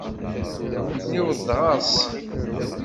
Niweḍ ɣer-s.